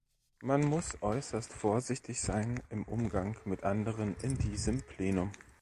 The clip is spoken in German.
Man muss äußerst vorsichtig sein im Umgang mit anderen in diesem Plenum.